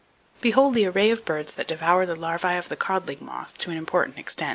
[Page 215] Behold the array of birds that devour the larvae of the codling moth to an important extent.